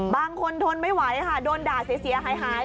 ทนไม่ไหวค่ะโดนด่าเสียหาย